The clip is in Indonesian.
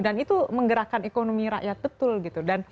dan itu menggerakkan ekonomi rakyat betul gitu